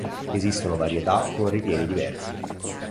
Esistono varietà con ripieni diversi.